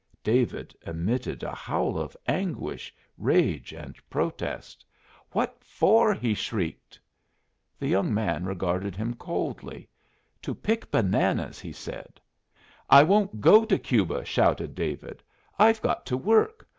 David emitted a howl of anguish, rage, and protest. "What for?" he shrieked. The young man regarded him coldly. "To pick bananas," he said. "I won't go to Cuba," shouted David. "I've got to work!